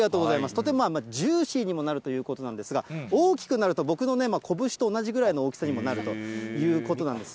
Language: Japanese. とてもジューシーにもなるということなんですが、大きくなると、僕の拳と同じぐらいの大きさにもなるということなんです。